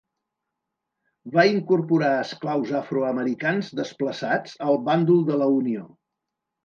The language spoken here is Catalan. Va incorporar esclaus afroamericans desplaçats al bàndol de la Unió.